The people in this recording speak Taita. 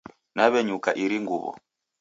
Naw'enyuka iri nguw'o